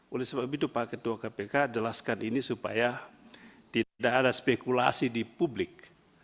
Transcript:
oleh sebab itu pak ketua kpk jelaskan ini supaya tidak ada spekulasi di publik